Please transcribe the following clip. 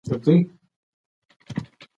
زه هره ورځ سهار وختي له خوبه پاڅېږم.